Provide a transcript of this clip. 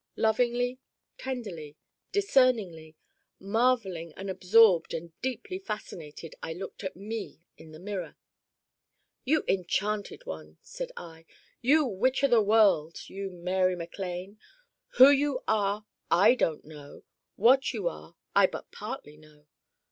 Lovingly, tenderly, discerningly, marveling and absorbed and deeply fascinated I looked at Me in the mirror. 'You enchanted one!' said I, 'You Witch o' the world! you Mary MacLane! who you are I don't know what you are I but partly know.